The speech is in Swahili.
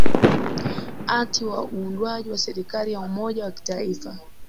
ati wa uundwaji wa serikali ya umoja wa kitaifa